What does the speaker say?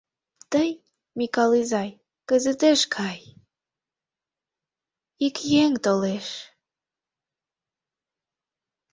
Тый, Микал изай, кызытеш кай... ик еҥ толеш...